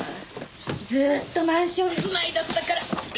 ずっとマンション住まいだったからよいしょ。